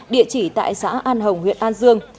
địa chỉ tại xã an hồng huyện an dương